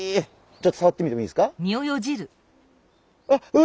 ちょっとさわってみてもいいですか？